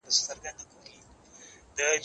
زه اوس مېوې وچوم؟!